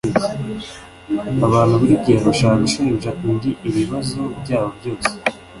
Abantu burigihe bashaka gushinja undi ibibazo byabo byose